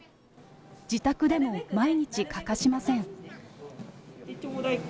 自宅でも毎日欠かしません。